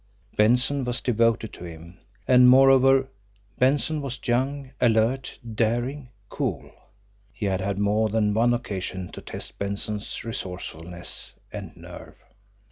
Benson was devoted to him; and moreover Benson was young, alert, daring, cool. He had had more than one occasion to test Benson's resourcefulness and nerve!